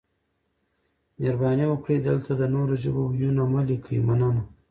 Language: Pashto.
مهرباني وکړئ دلته د نورو ژبو وييونه مه لیکئ مننه